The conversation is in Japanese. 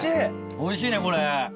おいしいねこれ。